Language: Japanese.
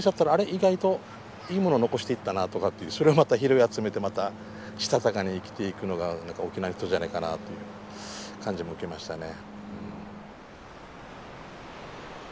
意外といいもの残していったなとかっていうそれをまた拾い集めてまたしたたかに生きていくのが何か沖縄の人じゃないかなっていう感じも受けましたね。